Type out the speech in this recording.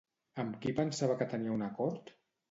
Amb qui pensava que tenia un acord?